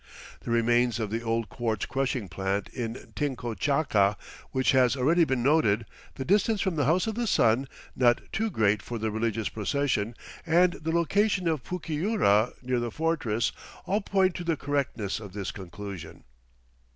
The remains of the old quartz crushing plant in Tincochaca, which has already been noted, the distance from the "House of the Sun," not too great for the religious procession, and the location of Pucyura near the fortress, all point to the correctness of this conclusion.